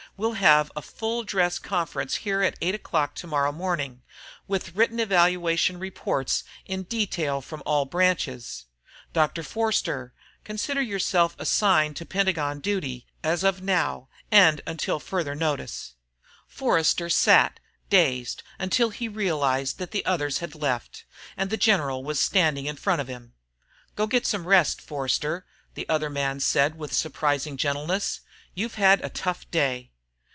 We'll have a full dress conference here at 8 o'clock tomorrow morning, with written evaluation reports in detail from all branches. Dr. Forster, consider yourself assigned to Pentagon duty as of now, and until further notice." Forster sat, dazed, until he realized that the others had left, and the general was standing in front of him. "Go get some rest, Forster," the other man said with surprising gentleness. "You've had a tough day."